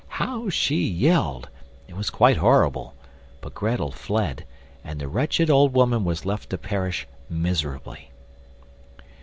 how she yelled, it was quite horrible; but Grettel fled, and the wretched old woman was left to perish miserably.